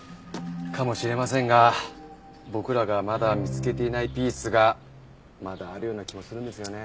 かもしれませんが僕らがまだ見つけていないピースがまだあるような気もするんですよね。